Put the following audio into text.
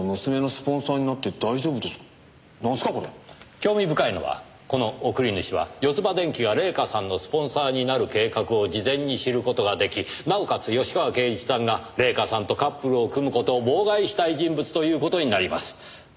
興味深いのはこの送り主はヨツバ電機が礼夏さんのスポンサーになる計画を事前に知る事が出来なおかつ芳川圭一さんが礼夏さんとカップルを組む事を妨害したい人物という事になります。